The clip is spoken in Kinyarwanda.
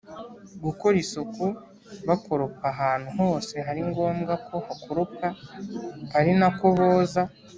gukora isuku, bakoropa ahantu hose hari ngombwa ko hakoropwa ari nako boza